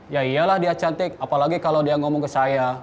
ya iyalah dia cantik apalagi kalau dia ngomong ke saya